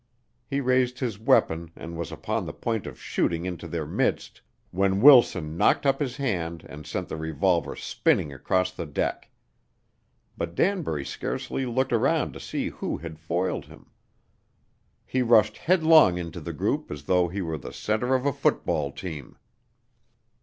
He raised his weapon and was upon the point of shooting into their midst when Wilson knocked up his hand and sent the revolver spinning across the deck. But Danbury scarcely looked around to see who had foiled him. He rushed headlong into the group as though he were the center of a football team.